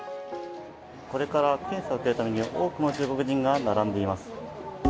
これから検査を受けるために多くの中国人が並んでいます。